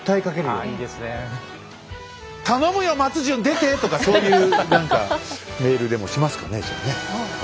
「頼むよ松潤出て！」とかそういう何かメールでもしますかねじゃあねっ。